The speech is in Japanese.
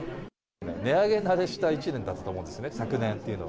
値上げ慣れした１年だったと思うんですね、昨年っていうのは。